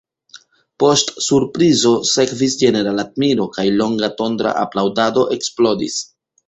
Post surprizo sekvis ĝenerala admiro, kaj longa tondra aplaŭdado eksplodis.